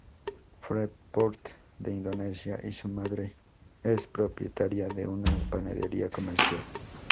Freeport de Indonesia y su madre es propietaria de una panadería comercial.